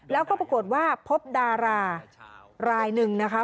แล้วก็ปรากฏว่าพบดารารายหนึ่งนะคะ